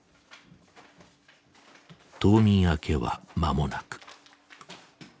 冬眠明けは間もなく。